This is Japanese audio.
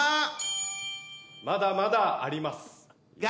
まだまだあります。